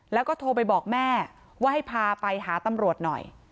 แล้วก็โทรไปบอกแม่ว่าให้พาไปหาตำรวจหน่อย